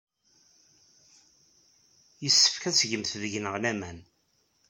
Yessefk ad tgemt deg-neɣ laman.